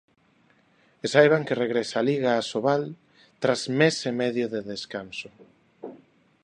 E saiban que regresa a Liga Asobal tras mes e medio de descanso...